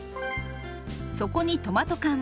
そこにトマト缶。